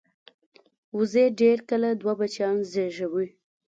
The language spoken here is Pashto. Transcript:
وزې ډېر کله دوه بچیان زېږوي